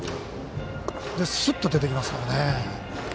すっと出てきますからね。